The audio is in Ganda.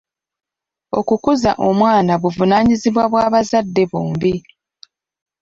Okukuza omwana buvunaanyizibwa bw'abazadde bombi.